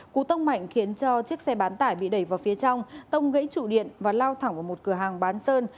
cú tông mạnh khiến cho chiếc xe bán tải bị đẩy vào phía trong tông gãy trụ điện và lao thẳng vào một cửa hàng bán sơn